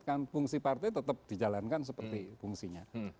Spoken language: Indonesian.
kan fungsi partai tetap dijalankan seperti fungsinya